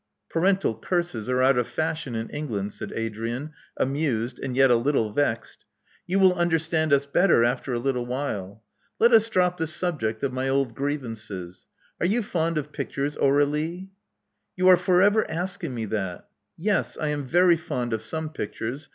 Parental curses are out of fashion in England," said Adrian, amused, and yet a little vexed. "You will understand us better after a little while. Let us drop the subject of my old grievances. Are you fond of pictures, Aur^lie?" You are for ever asking me that. Yes, I am very fond of some pictures.